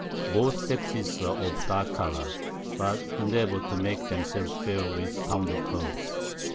Both Sexes are of a dark Colour, but endeavour to make themselves fair with pounded Herbs.